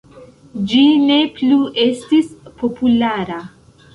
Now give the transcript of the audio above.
Ĝi ne plu estis populara.